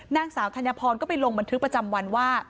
นางสาวธัญพรก็ไปลงบันทึกประจำวันว่า